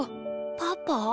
パパ？